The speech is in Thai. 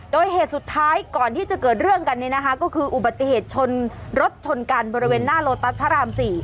โดยเหตุสุดท้ายก่อนที่จะเกิดเรื่องกันนี้นะคะก็คืออุบัติเหตุชนรถชนกันบริเวณหน้าโลตัสพระราม๔